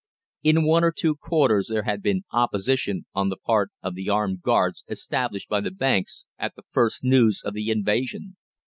In one or two quarters there had been opposition on the part of the armed guards established by the banks at the first news of the invasion.